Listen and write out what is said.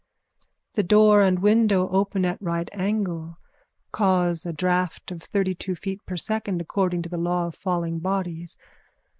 The door and window open at a right angle cause a draught of thirtytwo feet per second according to the law of falling bodies.